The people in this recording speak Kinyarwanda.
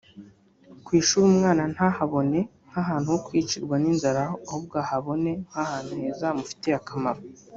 ku ishuri umwana ntahabone nk’ahantu ho kwicirwa n’inzara ahubwo ahabone nk’ahantu heza hamufitiye akamaro